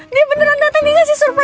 dia beneran datang dikasih surprise aku